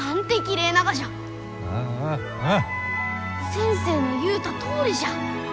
先生の言うたとおりじゃ！